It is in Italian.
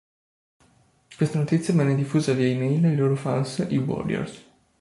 Questa notizia venne diffusa via email ai loro fans, i Warriors.